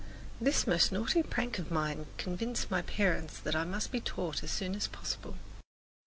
This most naughty prank of mine convinced my parents that I must be taught as soon as possible.